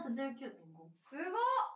すごっ！